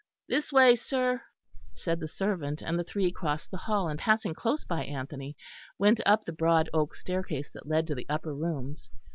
"This way, sir," said the servant; and the three crossed the hall, and passing close by Anthony, went up the broad oak staircase that led to the upper rooms.